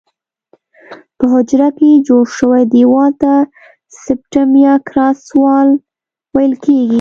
په حجره کې جوړ شوي دیوال ته سپټم یا کراس وال ویل کیږي.